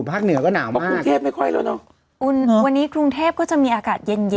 เหนือก็หนาวมากกรุงเทพไม่ค่อยแล้วเนอะวันนี้กรุงเทพก็จะมีอากาศเย็นเย็น